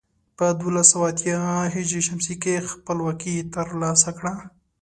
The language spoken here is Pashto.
په دولس سوه اتيا ه ش کې خپلواکي تر لاسه کړه.